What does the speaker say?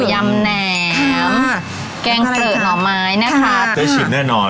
ยำแนนท์ค่ะแกงสื่อหน่อไม้นะค่ะได้ชิมแน่นอน